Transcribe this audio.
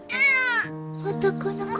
男の子？